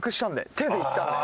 手でいったんで。